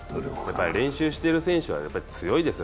練習している選手は強いですよ。